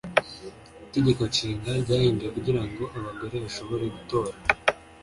itegeko nshinga ryahinduwe kugira ngo abagore bashobore gutora